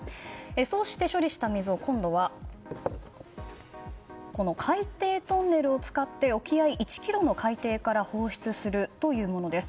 そうして処理した水を今度は海底トンネルを使って沖合１ｋｍの海底から放出するというものです。